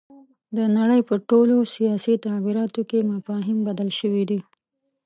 د نړۍ په ټولو سیاسي تعبیراتو کې مفاهیم بدل شوي دي.